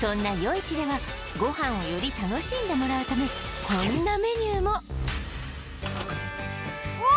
いちではご飯をより楽しんでもらうためこんなメニューも！うわ！